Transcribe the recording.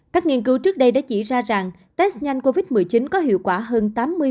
các nghiên cứu trước đây đã chỉ ra rằng test nhanh covid một mươi chín có hiệu quả hơn tám mươi